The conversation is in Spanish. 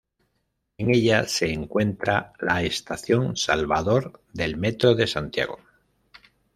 En ella se encuentra la estación Salvador del Metro de Santiago.